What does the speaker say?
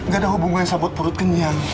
gak ada hubungan yang sama buat perut kenyang